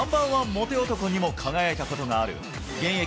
モテ男にも輝いたことがある現役